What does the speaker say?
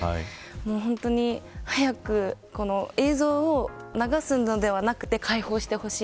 本当に早く映像を流すのではなくて解放してほしい。